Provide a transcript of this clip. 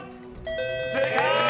正解！